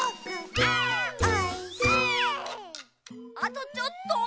あとちょっと。